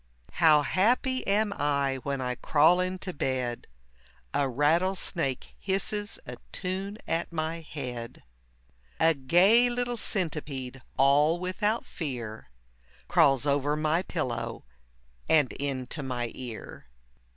How happy am I when I crawl into bed, A rattlesnake hisses a tune at my head, A gay little centipede, all without fear, Crawls over my pillow and into my ear.